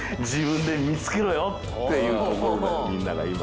っていうところでみんなが今。